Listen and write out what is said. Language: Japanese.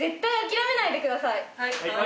はい。